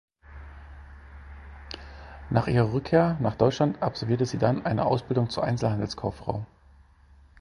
Nach ihrer Rückkehr nach Deutschland absolvierte sie dann eine Ausbildung zur Einzelhandelskauffrau.